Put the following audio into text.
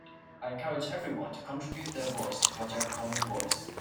I encourage everyone to contribute their voice to Project Common Voice.